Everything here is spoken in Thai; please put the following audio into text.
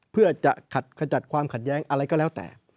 เพื่อจะขัดขจัดความขัดแย้งอะไรก็แล้วแต่